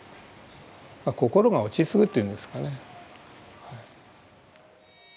心が落ち着くというんですかね。